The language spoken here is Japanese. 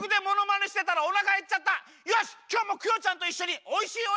よしきょうもクヨちゃんといっしょにおいしいおやつつくっちゃおう！